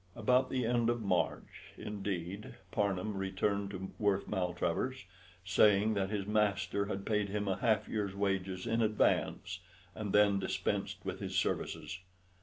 About the end of March, indeed, Parnham returned to Worth Maltravers, saying that his master had paid him a half year's wages in advance, and then dispensed with his services.